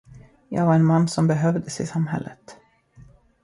Jag var en man som behövdes i samhället.